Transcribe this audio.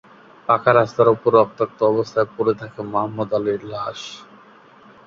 পাকা রাস্তার ওপর রক্তাক্ত অবস্থায় পড়ে থাকে মোহাম্মদ আলীর লাশ।